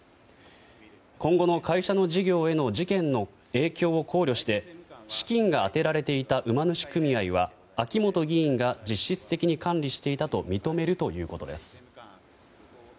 今後の会社の事業への事件の影響を考慮して資金が充てられていた馬主組合は秋本議員が実質的に管理していたと認めるということです。